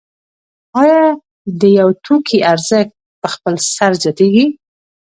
آیا د یو توکي ارزښت په خپل سر زیاتېږي